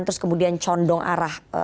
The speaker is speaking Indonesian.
terus kemudian condong arah